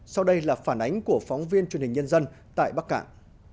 sau đây là phản ánh của phóng viên truyền hình nhân dân tại bắc cạn